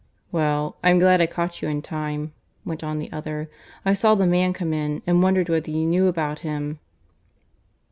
"Well I'm glad I caught you in time," went on the other. "I saw the man come in; and wondered whether you knew about him."